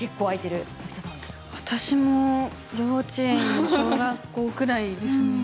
私も幼稚園小学校ぐらいですね。